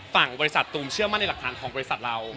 ฝั่งบริษัทตูมเชื่อมั่นในหลักฐานของบริษัทเรา